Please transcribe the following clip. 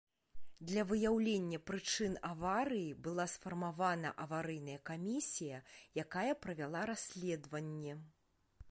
Для выяўлення прычын аварыі была сфармавана аварыйная камісія, якая правяла расследаванне.